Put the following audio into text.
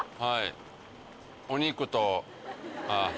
はいお肉と。